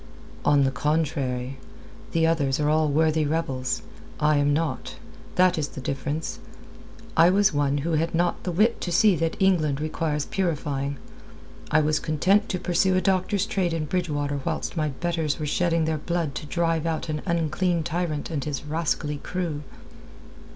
"On the contrary. The others are all worthy rebels. I am not. That is the difference. I was one who had not the wit to see that England requires purifying. I was content to pursue a doctor's trade in Bridgewater whilst my betters were shedding their blood to drive out an unclean tyrant and his rascally crew."